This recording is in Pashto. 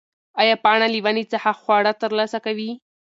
ایا پاڼه له ونې څخه خواړه ترلاسه کوي؟